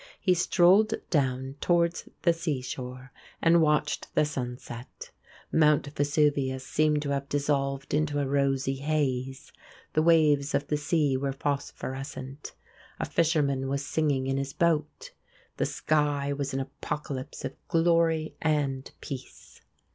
He strolled down towards the seashore and watched the sunset. Mount Vesuvius seemed to have dissolved into a rosy haze; the waves of the sea were phosphorescent. A fisherman was singing in his boat. The sky was an apocalypse of glory and peace.